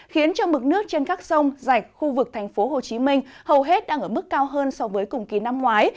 khiến cho mực nước trên các sông dạch khu vực thành phố hồ chí minh hầu hết đang ở mức cao hơn so với cùng kỳ năm ngoái